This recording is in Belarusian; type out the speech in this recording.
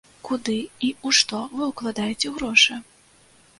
Куды і ў што вы ўкладаеце грошы?